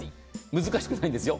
難しくないんですよ。